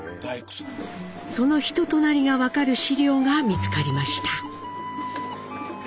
その人となりが分かる資料が見つかりました。